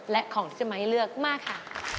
และของที่จะมาให้เลือกมากค่ะ